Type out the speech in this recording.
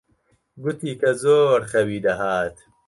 گوتی کە زۆر خەوی دەهات.